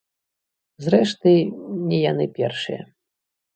Зрэшты, не яны першыя.